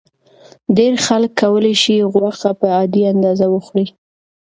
ډېر خلک کولی شي غوښه په عادي اندازه وخوري.